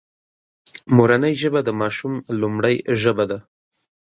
مورنۍ ژبه د ماشوم لومړۍ ژبه ده